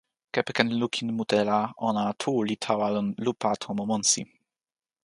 kepeken lukin mute la, ona tu li tawa lon lupa tomo monsi.